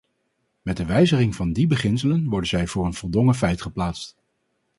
Met de wijziging van die beginselen worden zij voor een voldongen feit geplaatst.